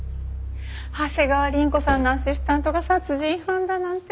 長谷川凛子さんのアシスタントが殺人犯だなんて。